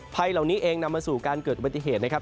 ภัยเหล่านี้เองนำมาสู่การเกิดอุบัติเหตุนะครับ